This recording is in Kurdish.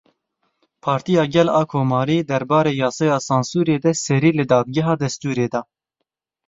Partiya Gel a Komarî derbarê Yasaya Sansurê de serî li Dageha Destûrê da.